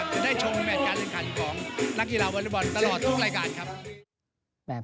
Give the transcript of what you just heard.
จะได้ชมแมทการแข่งขันของนักกีฬาวอเล็กบอลตลอดทุกรายการครับ